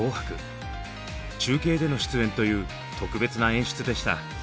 中継での出演という特別な演出でした。